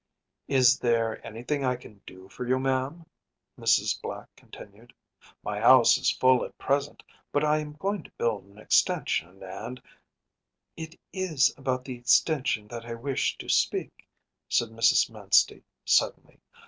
“Is there anything I can do for you, ma‚Äôam?‚ÄĚ Mrs. Black continued. “My house is full at present, but I am going to build an extension, and ‚ÄĚ “It is about the extension that I wish to speak,‚ÄĚ said Mrs. Manstey, suddenly.